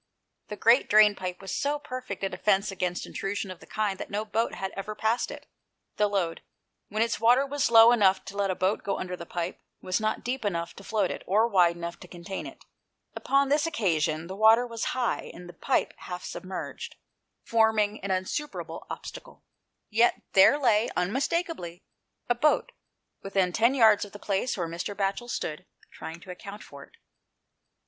The great drain pipe was so perfect a defence against intrusion of the kind that no boat had ever passed it. The Lode, when its water was low enough to let a boat go under the pipe, was not deep enough to float it, or wide enough to contain it. Upon this occasion the water was high, and the pipe half submerged, forming an 162 THE PLACE OF SAFETY. insuperable obstacle. Yet there lay, unmistake ably, a boat, within ten yards of the place where Mr. Batchel stood trying to account for it.